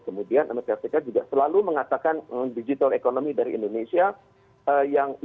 kemudian amerika serikat juga selalu mengatakan digital economy dari indonesia yang masih membutuhkan sentuhan sentuhan